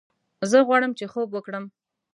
زه غواړم چې خوب وکړم